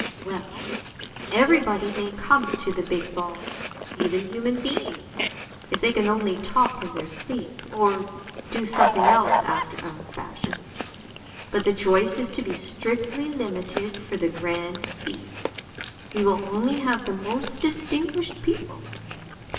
" Well, everybody may come to the big ball, even human beings, if they can only talk in their sleep, or do something else after our fashion. But the choice is to be strictly limited for the grand feast. We will only have the most distinguished people.